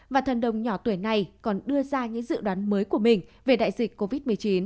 và thần đồng nhỏ tuổi này còn đưa ra những dự đoán mới của mình về đại dịch covid một mươi chín